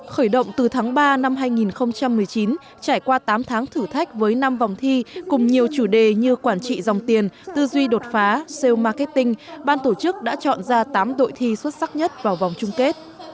khởi động từ tháng ba năm hai nghìn một mươi chín trải qua tám tháng thử thách với năm vòng thi cùng nhiều chủ đề như quản trị dòng tiền tư duy đột phá sale marketing ban tổ chức đã chọn ra tám đội thi xuất sắc nhất vào vòng chung kết